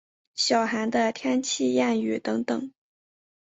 小寒的天气谚语等等。